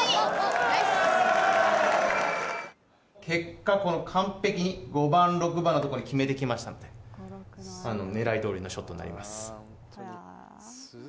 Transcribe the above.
結果この完璧に５番６番のとこに決めてきました狙い通りのショットになります。